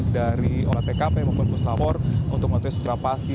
dari olah tkp maupun puslapor untuk mengetahui secara pasti